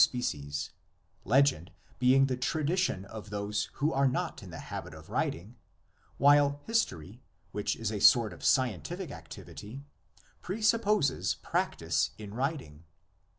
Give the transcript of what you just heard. species, legend being the tradition of those who are not in the habit of writing, while history, which is a sort of scientific activity, presupposes practice in writing.